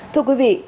thưa quý vị